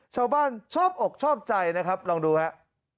ชาวบ้านชอบอกชอบใจนะครับลองดูฮะ